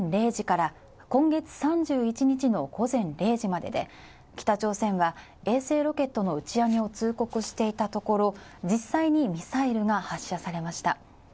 期間は今日午前０時から今月３１日の午前０時までで、北朝鮮は衛星ロケットの打ち上げを通告していたところ、実際にミサイルが発射されました。